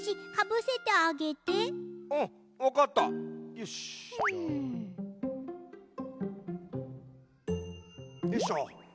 よいしょ。